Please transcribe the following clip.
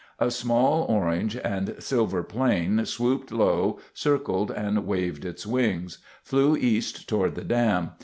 A small, orange and silver plane swooped low, circled, and waving its wings, flew east toward the dam.